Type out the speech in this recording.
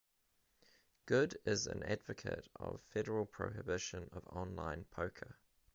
Goode is an advocate of a federal prohibition of online poker.